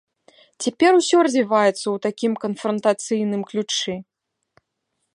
Цяпер усё развіваецца ў такім канфрантацыйным ключы.